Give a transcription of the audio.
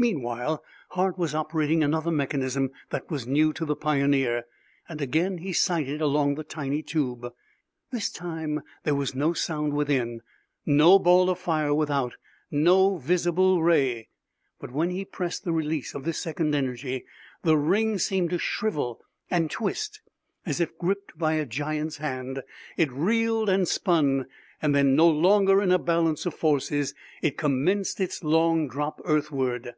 Meanwhile, Hart was operating another mechanism that was new to the Pioneer and again he sighted along the tiny tube. This time there was no sound within, no ball of fire without, no visible ray. But, when he had pressed the release of this second energy, the ring seemed to shrivel and twist as if gripped by a giant's hand. It reeled and spun. Then, no longer in a balance of forces, it commenced its long drop earthward.